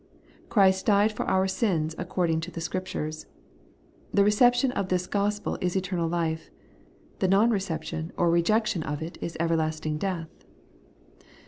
' Christ died for our sins, according to the Scriptures.' The reception of this gospel is eternal life ; the non reception or re jection of it is everlasting death.